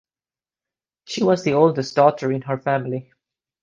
She was the oldest daughter in her family.